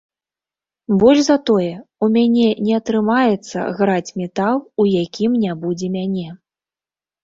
Больш за тое, у мяне не атрымаецца граць метал, у якім не будзе мяне!